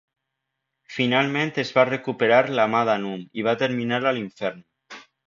Finalment es va recuperar la mà d'Anum i va terminar a l'infern.